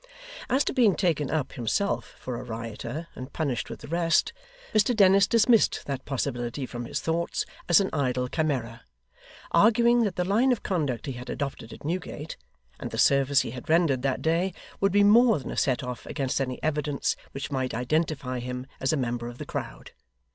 As to being taken up, himself, for a rioter, and punished with the rest, Mr Dennis dismissed that possibility from his thoughts as an idle chimera; arguing that the line of conduct he had adopted at Newgate, and the service he had rendered that day, would be more than a set off against any evidence which might identify him as a member of the crowd.